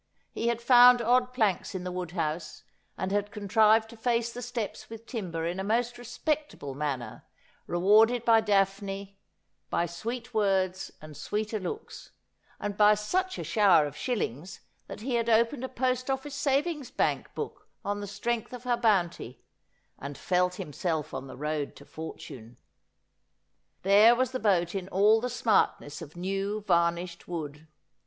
He had found odd planks in the wood house, and had contrived to face the steps with timber in a most respectable manner, rewarded by Daphne by sweet words and sweeter looks, and by such a shower of shillings that he had opened a post ofifice savings bank book on the strength of her bounty, and felt himself on the road to fortune. There was the boat in all the smartness of new varnished wood.